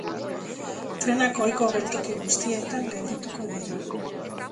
Trenak ohiko geltoki guztietan geldituko dira.